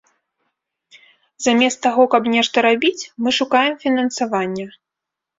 Замест таго, каб нешта рабіць, мы шукаем фінансавання.